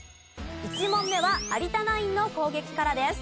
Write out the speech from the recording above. １問目は有田ナインの攻撃からです。